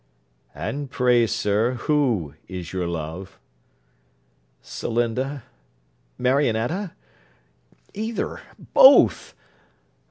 'And pray, sir, who is your love?' 'Celinda Marionetta either both.'